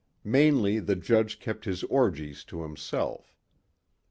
Mainly the judge kept his orgies to himself.